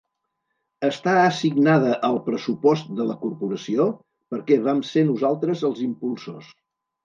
Està assignada al pressupost de la corporació perquè vam ser nosaltres els impulsors.